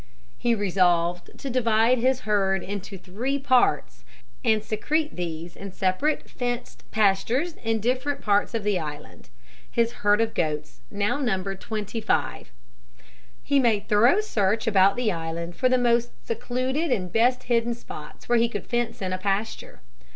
He resolved to divide his herd into three parts and secrete these in separate fenced pastures in different parts of the island. His herd of goats now numbered twenty five. He made thorough search about the island for the most secluded and best hidden spots where he could fence in a pasture.